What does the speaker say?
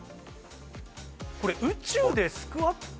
これ、宇宙でスクワット？